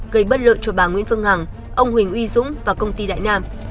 gây bất lợi cho bà nguyễn phương hằng ông huỳnh uy dũng và công ty đại nam